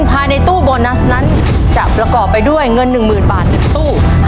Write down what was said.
ภายในตู้โบนัสนั้นจะประกอบไปด้วยเงิน๑๐๐๐บาท๑ตู้